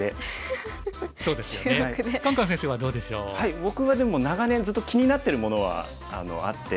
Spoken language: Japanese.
僕はでも長年ずっと気になってるものはあって。